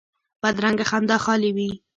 بدرنګه خندا خالي وي